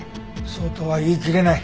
そうとは言いきれない。